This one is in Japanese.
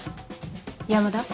山田。